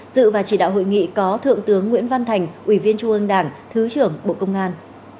dự và chỉ đạo hội nghị có thượng tướng nguyễn văn thành ủy viên trung ương đảng thứ trưởng bộ công an